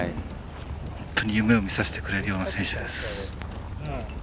本当に夢を見させてくれるような選手です。